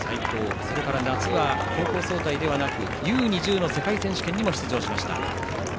それから夏は、高校総体ではなくＵ−２０の世界選手権にも出場しました。